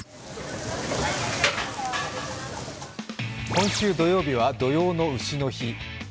今週土曜日は土用の丑の日。